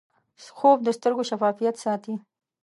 خوب د سترګو شفافیت ساتي